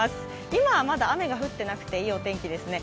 今まだ雨が降ってなくていいお天気ですね。